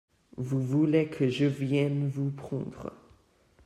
Vous voulez que je vienne vous prendre ?